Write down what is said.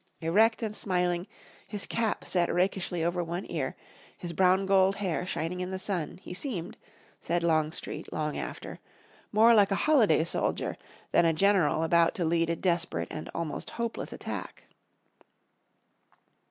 Erect and smiling, his cap set rakishly over one ear, his brown gold hair shining in the sun, he seemed, said Longstreet long after, more like a "holiday soldier" than a general about to lead a desperate and almost hopeless attack.